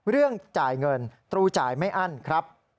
เรื่องจ่ายเงินตรูจ่ายไม่อั้นครับ